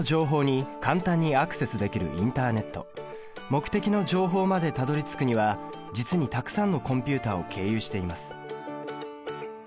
目的の情報までたどりつくには実にたくさんのコンピュータを経由しています。